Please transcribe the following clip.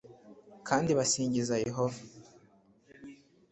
kandi basingiza yehova.